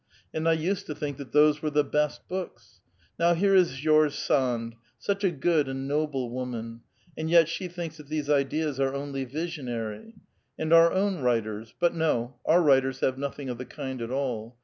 And I used to think that those were the best books. Now here is George/ Sand — such a good and noble woman !— and yet, she thinks that these ideas are only visionary. And our own writers — but no ; our writers have nothing of the kind at all.